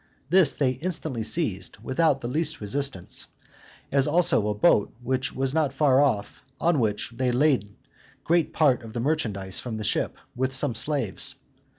This they instantly seized, without the least resistance; as also a boat which was not far off, on which they laded great part of the merchandises from the ship, with some slaves.